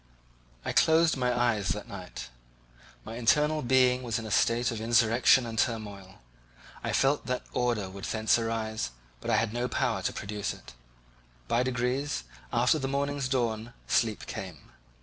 I closed not my eyes that night. My internal being was in a state of insurrection and turmoil; I felt that order would thence arise, but I had no power to produce it. By degrees, after the morning's dawn, sleep came.